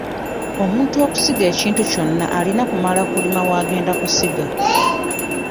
Omuntu okusiga ekintu kyonna alina kumala kulima w'agenda kusiga.